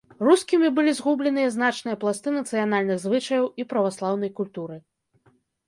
Рускімі былі згубленыя значныя пласты нацыянальных звычаяў і праваслаўнай культуры.